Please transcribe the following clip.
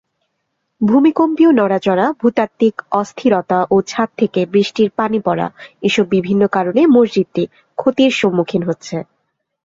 ভূকম্পীয় নড়াচড়া, ভূতাত্ত্বিক অস্থিরতা ও ছাদ থেকে বৃষ্টির পানি পড়া এসব বিভিন্ন কারণে মসজিদটি ক্ষতির সম্মুখীন হচ্ছে।